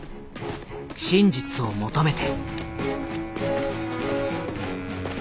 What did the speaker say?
真実を求めて。